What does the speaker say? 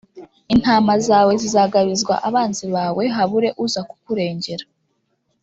intama zawe zizagabizwa abanzi bawe, habure uza kukurengera.